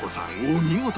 お見事！